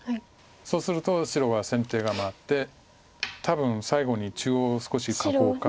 そうすると白は先手が回って多分最後に中央少し囲おうか。